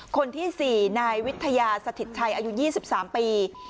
คนที่สี่นายวิทยาสถิตชัยอายุยี่สิบสามปี